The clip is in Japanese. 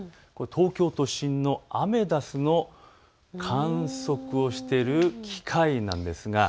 東京都心のアメダスの観測をしている機械なんです。